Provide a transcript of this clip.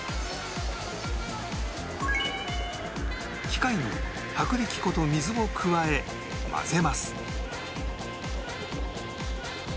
機械に薄力粉と水を加え混ぜます